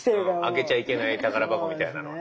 開けちゃいけない宝箱みたいなのは。